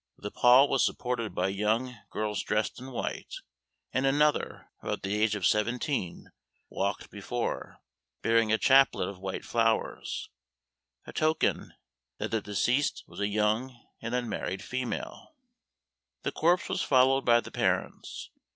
The pall was supported by young girls dressed in white, and another, about the age of seventeen, walked before, bearing a chaplet of white flowers a token that the deceased was a young and unmarried female. The corpse was followed by the parents.